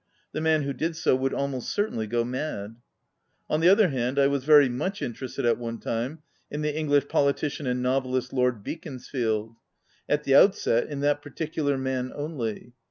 The man who did so would almost certainly go mad. On the other hand I was very much interested at one time in the English politician and novelist Lord Beaconsfield; at the outset, in that particular man only.